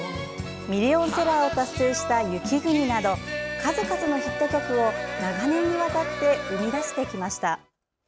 ミリオンセラーを達成した「雪國」など数々のヒット曲を長年にわたって生み出してきました。